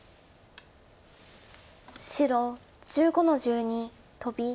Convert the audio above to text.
白１５の十二トビ。